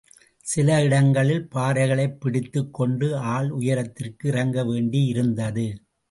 சில இடங்களில் பாறைகளைப் பிடித்துக் கொண்டு ஆள் உயரத்திற்கு இறங்க வேண்டியிருந்தது.